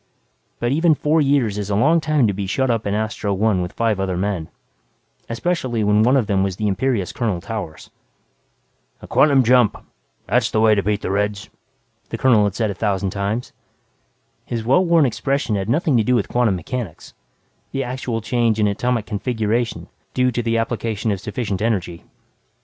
But even four years is a long time to be shut up in Astro One with five other men, especially when one of them was the imperious Colonel Towers. "A quantum jump that's the way to beat the Reds," the colonel had said a thousand times. His well worn expression had nothing to do with quantum mechanics the actual change in atomic configuration due to the application of sufficient energy.